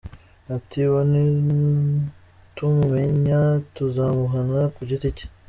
Ati “uwo nitumumenya tuzamuhana ku giti cye.”